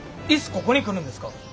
ここに来るんですか？